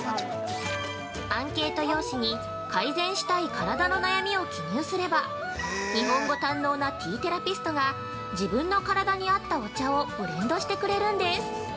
アンケート用紙に改善したい体の悩みを記入すれば、日本語堪能なティーテラピストが自分の体に合ったお茶をブランドしてくれるんです。